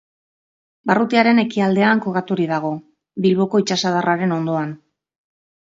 Barrutiaren ekialdean kokaturik dago Bilboko itsasadarraren ondoan.